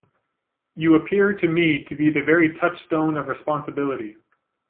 You appear to me to be the very touchstone of responsibility.